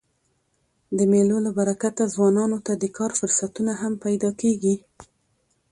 د مېلو له برکته ځوانانو ته د کار فرصتونه هم پیدا کېږي.